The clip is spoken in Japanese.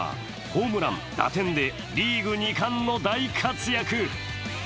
ホームラン、打点でリーグ２冠の大活躍。